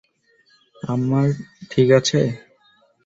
আমরা ঠিক আছে?